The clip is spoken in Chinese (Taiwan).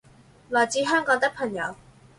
來自香港的朋友